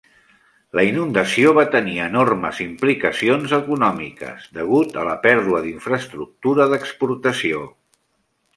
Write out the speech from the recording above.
La inundació va tenir enormes implicacions econòmiques degut a la pèrdua d'infraestructura d'exportació.